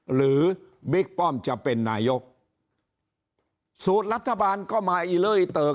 บิ๊กป้อมจะเป็นนายกสูตรรัฐบาลก็มาอีเล่เติบ